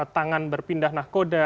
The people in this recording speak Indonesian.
tangan berpindah nahkoda